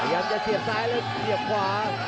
พยายามจะเกียรติทางซ้ายละเกียรติขวา